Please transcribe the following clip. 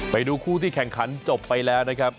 ไปดูคู่ที่แข่งขันจบไปแล้วนะครับ